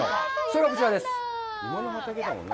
それがこちらです。